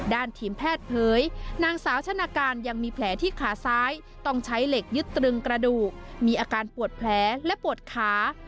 ด้านทีมแพทย์เผยนางสาวชนะการยังมีแผลที่ขาซ้ายต้องใช้เหล็กยึดตรึงกระดูกมีอาการปวดแผลและปวดขา